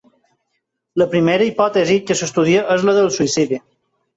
La primera hipòtesi que s’estudia és la del suïcidi.